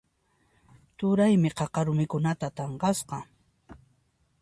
Turaymi qaqa rumikunata tanqasqa.